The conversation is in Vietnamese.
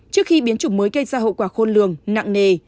trước khi biến chủng mới gây ra hậu quả khôn lường nặng nề